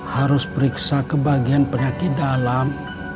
harus periksa ke bagian penyakit dalam